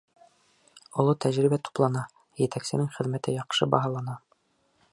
Оло тәжрибә туплана, етәксенең хеҙмәте яҡшы баһалана.